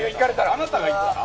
あなたがいったら？